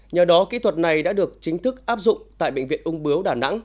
nhờ đó kỹ thuật này đã được chính thức áp dụng tại bệnh viện ung bướu đà nẵng